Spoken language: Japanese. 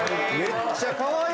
めっちゃかわいい！